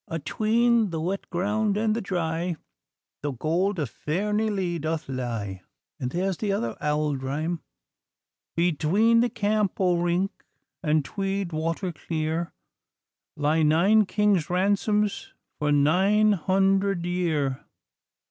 'Atween the wet ground and the dry The gold of Fairnilee doth lie.' And there's the other auld rhyme 'Between the Camp o' Rink And Tweed water clear, Lie nine kings' ransoms For nine hundred year!